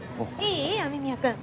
いい？雨宮くん。